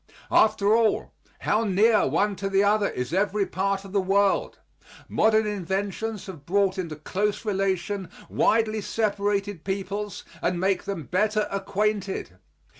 After all, how near one to the other is every part of the world. Modern inventions have brought into close relation widely separated peoples and make them better acquainted.